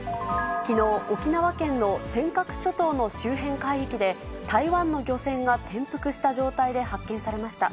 きのう、沖縄県の尖閣諸島の周辺海域で、台湾の漁船が転覆した状態で発見されました。